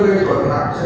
nhưng vấn đề thứ hai